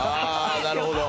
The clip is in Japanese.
なるほど。